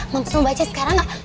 mams mau baca sekarang nggak